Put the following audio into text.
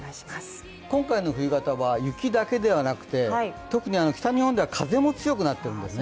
今回の冬型は雪だけではなくて特に北日本では風も強くなっているんです。